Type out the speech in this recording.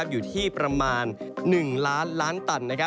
อยู่ที่ประมาณ๑ล้านล้านตัน